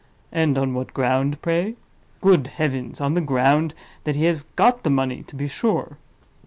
And on what ground, pray? Good heavens! on the ground that he has got the money, to be sure.